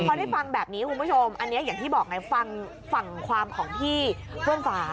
พอได้ฟังแบบนี้คุณผู้ชมอันนี้อย่างที่บอกไงฟังฝั่งความของพี่เพื่อนฝา